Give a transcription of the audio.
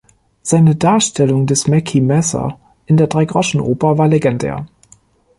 Seine Darstellung des Mackie Messer in der Dreigroschenoper war legendär.